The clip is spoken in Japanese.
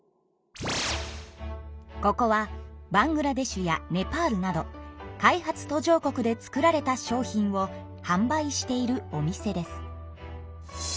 ここはバングラデシュやネパールなど開発途上国で作られた商品をはん売しているお店です。